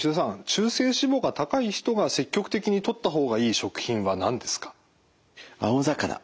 中性脂肪が高い人が積極的にとった方がいい食品は何ですか？